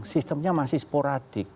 sistemnya masih sporadik